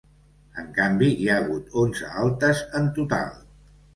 En canvi, hi ha hagut onze altes en total.